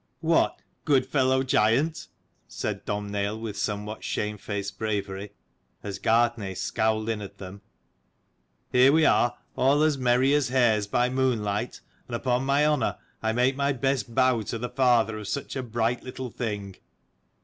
"What, goodfellow giant!" said Domh naill, with somewhat shame faced bravery, as Gartnaidh scowled in at them; "here we are all as merry as hares by moonlight ; and upon my honour, I make my best bow to the father of such a bright little thing."